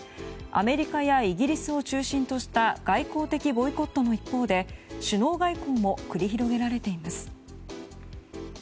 アメリカやイギリスを中心とした外交的ボイコットの一方で首脳外交も繰り広げられています。